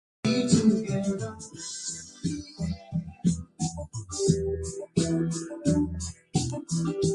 "Howe" was named after Admiral Richard Howe.